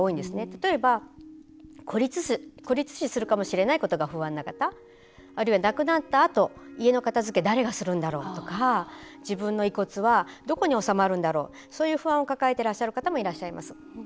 例えば、孤立死するかもしれないことが不安な方あるいは、亡くなったあと家の片付け誰がするんだろうとか自分の遺骨は、どこに収まるんだろう、そういう不安を抱えてらっしゃる方もいらっしゃいます。